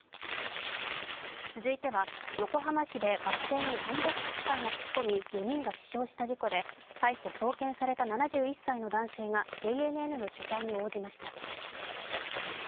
続いては横浜市でバス停にワンボックスカーが突っ込み４人が死傷した事故で逮捕・送検された７１歳の男性がＪＮＮの取材に応じました。